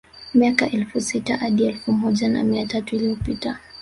Miaka elfu sita hadi elfu moja na mia tatu iliyopita